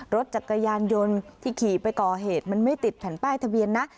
รถจักรยานยนต์ที่ขี่ไปก่อเหตุมันไม่ติดแผ่นป้ายทะเบียนนะ